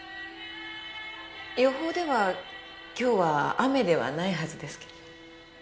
予報では今日は雨ではないはずですけれど。